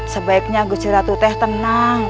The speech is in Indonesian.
sebaiknya gusti ratu teh tenang